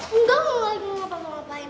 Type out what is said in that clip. enggak aku lagi mau lupa mulu lupain